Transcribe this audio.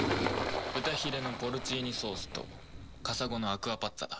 豚ヒレのポルチーニソースとカサゴのアクアパッツァだ。